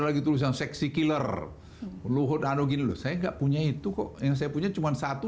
lagi tulisan seksi killer luhut ano gini loh saya enggak punya itu kok yang saya punya cuman satu